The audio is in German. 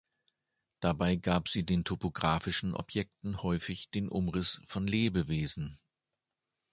Dabei gab sie den topografischen Objekten häufig den Umriss von Lebewesen.